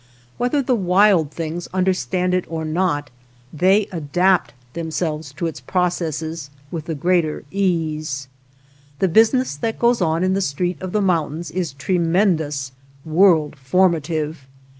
Whether the wild things under stand it or not they adapt themselves to its processes with the greater ease. The busi ness that goes on in the street of the moun tain is tremendous, world formative.